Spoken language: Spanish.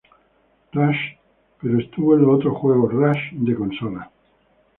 Rush", pero estuvo en los otros juegos "Rush" de consola.